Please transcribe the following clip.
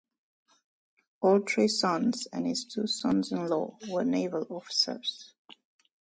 All three sons and his two sons-in-law were naval officers.